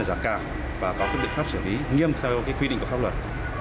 giã cao và có các biện pháp xử lý nghiêm theo quy định của pháp luật